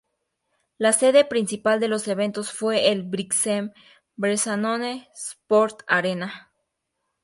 La sede principal de los eventos fue el Brixen-Bressanone Sport Arena.